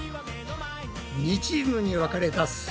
２チームに分かれたす